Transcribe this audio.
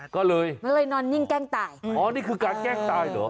ก็เลยมันเลยนอนนิ่งแกล้งตายอ๋อนี่คือการแกล้งตายเหรอ